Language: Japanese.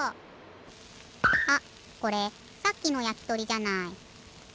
あっこれさっきのやきとりじゃない。